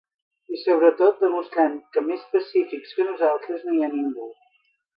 I sobretot, demostrant que més pacífics que nosaltres no hi ha ningú.